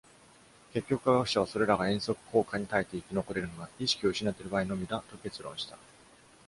結局、科学者は、それらが「遠足効果」に耐えて生き残れるのは意識を失っている場合のみだ、と結論した。